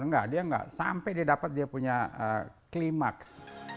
enggak dia nggak sampai dia dapat dia punya klimaks